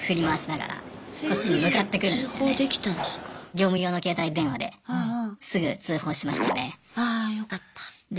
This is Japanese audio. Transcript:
業務用の携帯電話ですぐ通報しましたね。